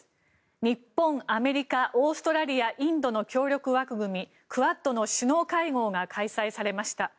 日本、アメリカオーストラリア、インドの協力枠組みクアッドの首脳会合が開催されました。